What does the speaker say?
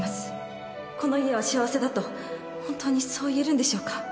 この家は幸せだと本当にそう言えるんでしょうか